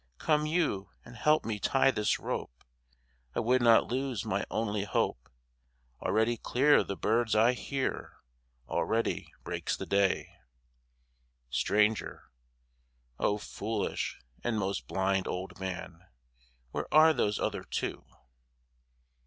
Come you and help me tie this rope: I would not lose my only hope. Already clear the birds I hear, Already breaks the day. STRANGER O foolish and most blind old man, Where are those other two?